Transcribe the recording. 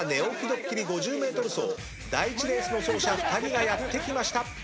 ドッキリ５０ｍ走第１レースの走者２人がやって来ました。